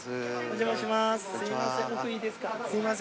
お邪魔します。